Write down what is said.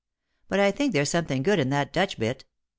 But I think there's something good in that Dutch bit.